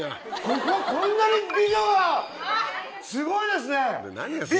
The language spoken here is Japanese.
ここすごいですね。